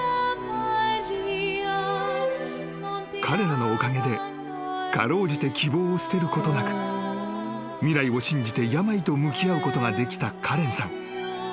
［彼らのおかげで辛うじて希望を捨てることなく未来を信じて病と向き合うことができたカレンさん］